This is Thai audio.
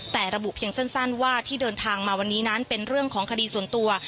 แต่ระบุเพียงสั้นว่าที่เดินทางมาวันนี้นั้นเป็นเรื่องของคดีส่วนตัว